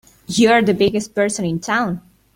You're the biggest person in town!